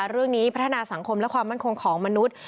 เรื่องนี้พัฒนาสังคมและความมั่นคงของมนุษย์